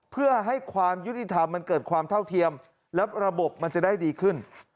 เพื่อให้ความยุติธรรมมันเกิดความเท่าเทียมและระบบมันจะได้ดีขึ้น